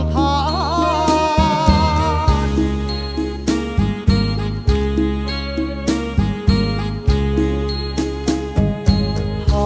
พรจ้าพรคืนนี้คอด